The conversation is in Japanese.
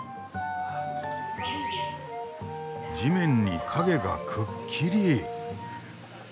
地面に影がくっきり。